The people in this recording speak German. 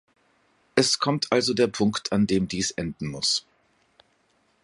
Es kommt also der Punkt, an dem dies enden muss.